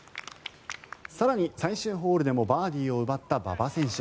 更に最終ホールでもバーディーを奪った馬場選手。